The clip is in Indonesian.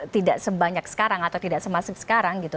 tidak sebanyak sekarang atau tidak semasik sekarang gitu